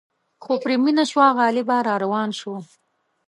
خو پرې مینه شوه غالبه را روان شو.